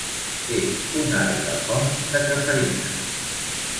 És un arbre font de cafeïna.